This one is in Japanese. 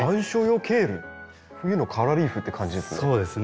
冬のカラーリーフっていう感じですね。